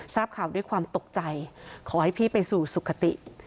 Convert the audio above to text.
ทราบข่าวด้วยความตกใจขอให้พี่ไปสู่สุขติ